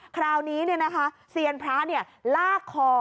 คราวนี้เนี่ยนะคะเซียนพระเนี่ยลากคอ